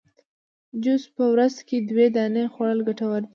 جوز په ورځ کي دوې دانې خوړل ګټور دي